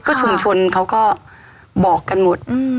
ก็ชุมชนเขาก็บอกกันหมด